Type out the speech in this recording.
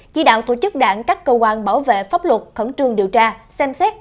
chỉ đạo tổ chức đảng các cơ quan bảo vệ pháp luật khẩn trương điều tra xem xét